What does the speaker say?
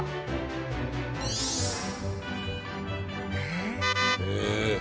えっ！